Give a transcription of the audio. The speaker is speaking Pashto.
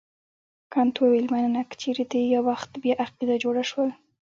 کانت وویل مننه که چیرې دې یو وخت بیا عقیده جوړه شول.